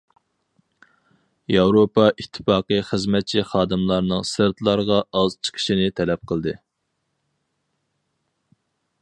ياۋروپا ئىتتىپاقى خىزمەتچى خادىملارنىڭ سىرتلارغا ئاز چىقىشىنى تەلەپ قىلدى.